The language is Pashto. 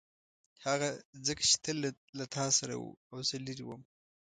هغه ځکه چې تل له تا سره و او زه لیرې وم.